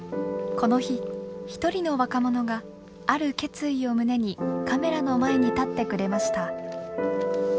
この日一人の若者がある決意を胸にカメラの前に立ってくれました。